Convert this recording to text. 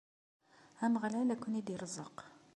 Ameɣlal a ken-id-irẓeq.